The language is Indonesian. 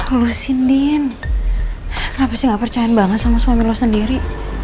lusin diin kenapa sih gak percaya banget sama suami lo sendiri